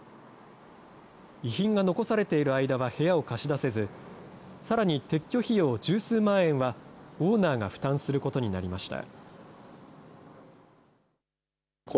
遺品が残されている間は部屋を貸し出せず、さらに撤去費用十数万円はオーナーが負担することになりました。